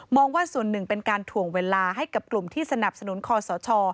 ว่าส่วนหนึ่งเป็นการถ่วงเวลาให้กับกลุ่มที่สนับสนุนคอสช